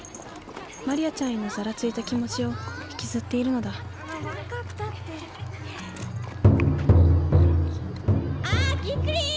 マリアちゃんへのザラついた気持ちを引きずっているのだあっキクリン！